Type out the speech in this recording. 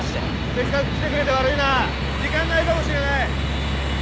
せっかく来てくれて悪いな時間ないかもしれない。